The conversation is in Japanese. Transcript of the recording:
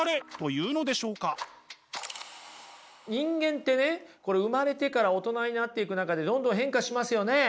人間ってね生まれてから大人になっていく中でどんどん変化しますよね。